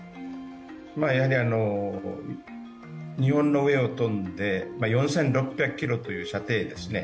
やはり日本の上を飛んで、４６００ｋｍという射程ですね。